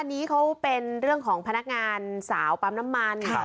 อันนี้เขาเป็นเรื่องของพนักงานสาวปั๊มน้ำมัน